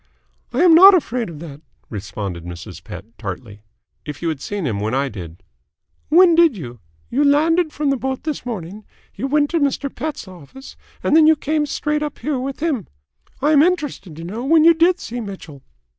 "I am not afraid of that," responded Mrs. Pett tartly. "If you had seen him when I did " "When did you? You landed from the boat this morning, you went to Mr. Pett's office, and then came straight up here with him. I am interested to know when you did see Mitchell?"